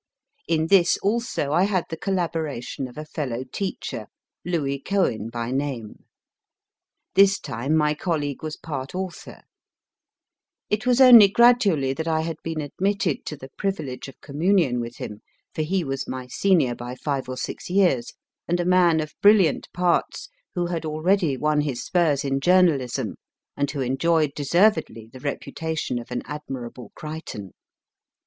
In this also I had the collaboration of a fellow teacher, Louis Covven by name. This time my colleague was part author. It was only gradually that I had been admitted to the privilege of communion with him, for he was my senior by five or six years, and a man of brilliant parts who had already won his spurs in journalism, and who enjoyed deservedly the reputation of an Admirable Crichton.